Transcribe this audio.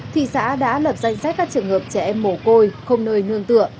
thị xã đã lập danh sách các trường hợp trẻ em mổ côi không nơi nương tựa